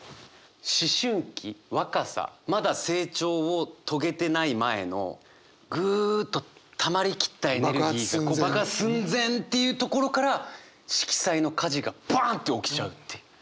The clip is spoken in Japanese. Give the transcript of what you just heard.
思春期若さまだ成長を遂げてない前のぐっとたまり切ったエネルギーが爆発寸前っていうところから色彩の火事がバンって起きちゃうっていう。